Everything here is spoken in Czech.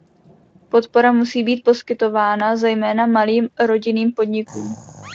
Podpora musí být poskytována zejména malým rodinným podnikům.